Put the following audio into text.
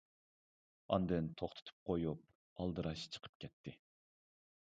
ئاندىن توختىتىپ قويۇپ ئالدىراش چىقىپ كەتتى.